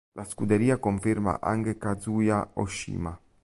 La scuderia conferma anche Kazuya Oshima.